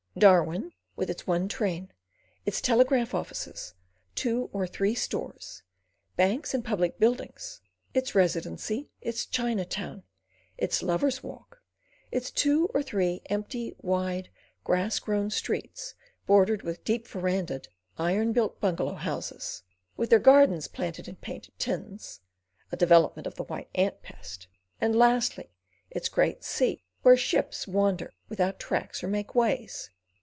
Darwin with its one train, its telegraph offices, two or three stores, banks and public buildings, its Residency, its Chinatown, its lovers' walk, its two or three empty, wide, grass grown streets bordered with deep verandahed, iron built bungalow houses, with their gardens planted in painted tins—a development of the white ant pest—and lastly, its great sea, where ships wander without tracks or made ways!